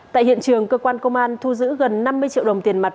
tại hiện trường cơ quan công an thu giữ gần năm mươi triệu đồng tiền mặt